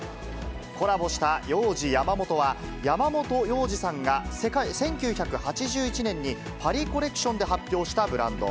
コラボしたヨウジヤマモトは、山本耀司さんが１９８１年に、パリコレクションで発表したブランド。